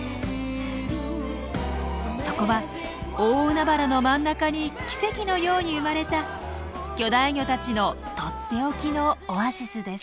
そこは大海原の真ん中に奇跡のように生まれた巨大魚たちのとっておきのオアシスです。